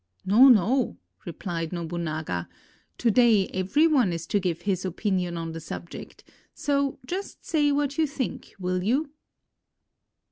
"No, no," replied Nobunaga, "to day every one is to give his opinion on the subject, so just say what you think, will you?"